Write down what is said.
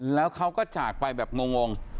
แล้วเขาก็จากไปแบบงง